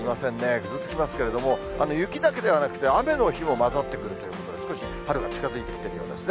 ぐずつきますけれども、雪だけではなくて、雨の日も交ざってくるということで、少し春が近づいてきているようですね。